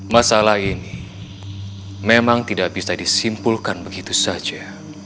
masalah ini memang tidak bisa disimpulkan begitu saja